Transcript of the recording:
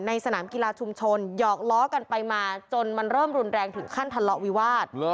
สนามกีฬาชุมชนหยอกล้อกันไปมาจนมันเริ่มรุนแรงถึงขั้นทะเลาะวิวาส